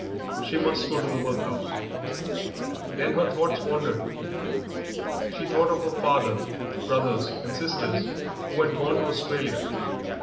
She must go to the workhouse. Then her thoughts wandered. She thought of her father, brothers, and sisters, who had gone to Australia.